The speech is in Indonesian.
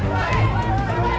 tepuk tangan tepuk tangan